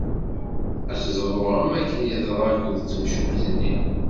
Ad teḍru am wakken i teḍra akked temcumt-nni